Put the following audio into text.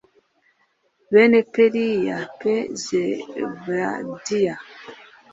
bene beriya p zebadiya